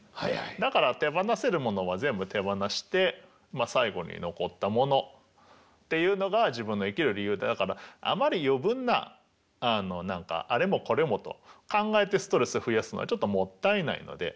だから手放せるものは全部手放して最後に残ったものっていうのが自分の生きる理由だからあまり余分なあれもこれもと考えてストレスを増やすのはちょっともったいないので。